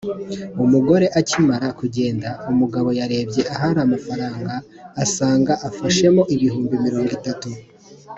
umugore akimara kugenda, umugabo yarebye ahari amafaranga asanga afashemo ibihumbi mirongo itatu